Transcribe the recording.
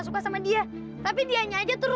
sampai jumpa di video selanjutnya